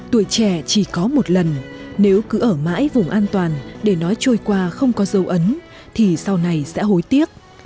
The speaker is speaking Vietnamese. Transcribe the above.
tuổi trẻ chỉ có một lần nếu cứ ở mãi vùng an toàn để nói trôi qua không có dấu ấn thì sau này sẽ hối tiếc